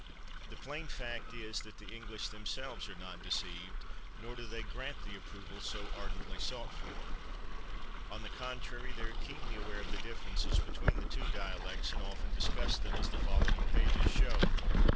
The plain fact is that the English themselves are not deceived, nor do they grant the approval so ardently sought for. On the contrary, they are keenly aware of the differences between the two dialects, and often discuss them, as the following pages show.